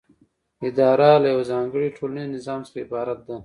اداره له یوه ځانګړي ټولنیز نظام څخه عبارت ده.